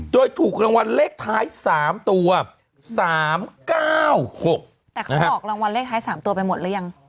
โดยถูกรางวัลเลขท้ายสามตัวสามเก้าหกแต่เขาออกรางวัลเลขท้ายสามตัวไปหมดหรือยัง